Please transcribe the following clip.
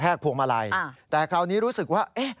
จะขวงมาลัยแต่คราวนี้รู้สึกว่า